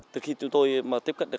từ khi chúng tôi tiếp cận được